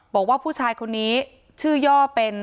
บอกว่าผู้ชายคนนี้ชื่อย่อเป็น